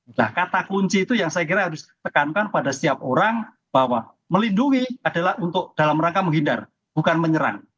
nah kata kunci itu yang saya kira harus ditekankan pada setiap orang bahwa melindungi adalah untuk dalam rangka menghindar bukan menyerang